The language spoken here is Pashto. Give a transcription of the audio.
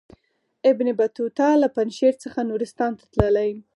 ابن بطوطه له پنجشیر څخه نورستان ته تللی.